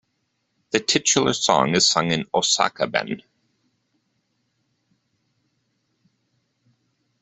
The titular song is sung in Osaka-ben.